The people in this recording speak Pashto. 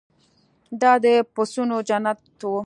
دا د پسونو جنت و.